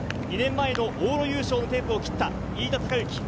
２年前の往路優勝のテープを切った飯田貴之。